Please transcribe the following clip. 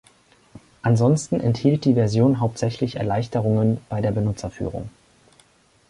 Ansonsten enthielt die Version hauptsächlich Erleichterungen bei der Benutzerführung.